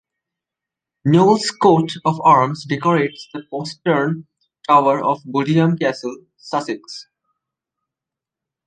Knolles' coat of arms decorates the postern tower of Bodiam Castle, Sussex.